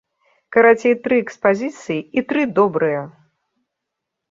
Карацей, тры экспазіцыі і тры добрыя!